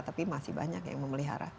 tapi masih banyak yang memelihara